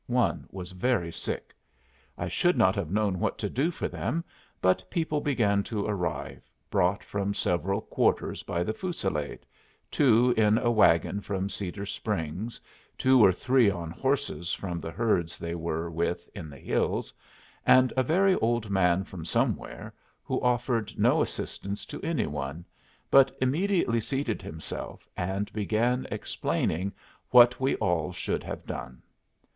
One was very sick. I should not have known what to do for them, but people began to arrive, brought from several quarters by the fusillade two in a wagon from Cedar Springs, two or three on horses from the herds they were with in the hills, and a very old man from somewhere, who offered no assistance to any one, but immediately seated himself and began explaining what we all should have done.